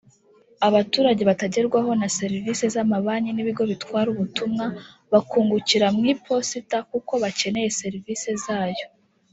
abaturage batagerwaho na serivisi z’amabanki n’ibigo bitwara ubutumwa bakungukira mu Iposita kuko bakeneye serivisi zayo